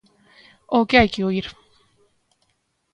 O que hai que oír!